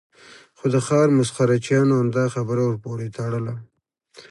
خو د ښار مسخره چیانو همدا خبره ور پورې تړله.